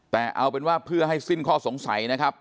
แต่เอาเป็นว่าเพื่อให้สิ้นข้อสงสัยนะครับ